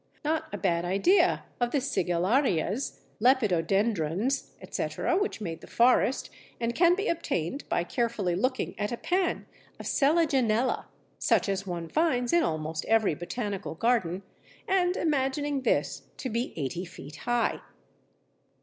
Not a bad idea of the Sigillarias, Lepidodendrons, etc., which made the forest and can be obtained by carefully looking at a pan of Selaginella such as one finds in almost every botanical garden, and imagining this to be eighty feet high.